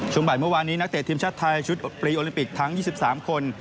บ่ายเมื่อวานนี้นักเตะทีมชาติไทยชุดปรีโอลิมปิกทั้ง๒๓คน